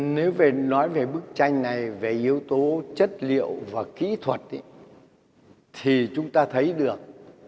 nếu về nói về bức tranh này về yếu tố chất liệu và kỹ thuật thì chúng ta thấy được